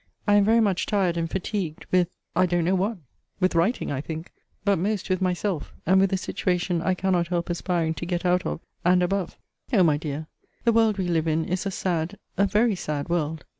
I am very much tired and fatigued with I don't know what with writing, I think but most with myself, and with a situation I cannot help aspiring to get out of, and above! O my dear, the world we live in is a sad, a very sad world!